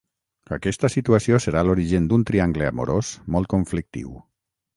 Aquesta situació serà l'origen d'un triangle amorós molt conflictiu.